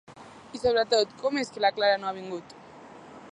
I sobretot, com és que la Clara no ha vingut?